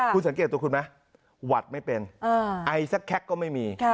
คุณสังเกตตัวคุณไหมหวัดไม่เป็นไอสักแค็กก็ไม่มี